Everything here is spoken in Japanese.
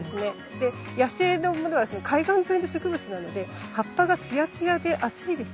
で野生のものは海岸沿いの植物なので葉っぱがツヤツヤで厚いでしょう？